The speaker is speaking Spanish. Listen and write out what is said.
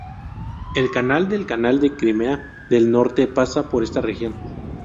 El canal del Canal de Crimea del Norte, pasa por esta región.